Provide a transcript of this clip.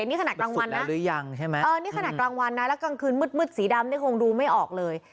อ่อนี่ขนาดกลางวันนะแล้วกลางคืนมืดสีดำคงดูไม่ออกเลย